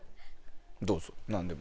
どうぞ何でも。